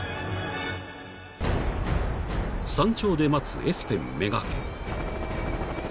［山頂で待つエスペン目がけ］